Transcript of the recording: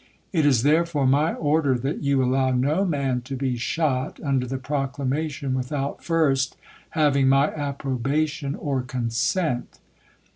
It is, therefore, my order that you allow no man to be shot under the proclamation without first having my approbation or consent.